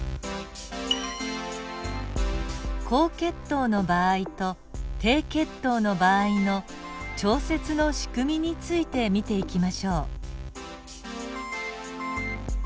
高血糖の場合と低血糖の場合の調節の仕組みについて見ていきましょう。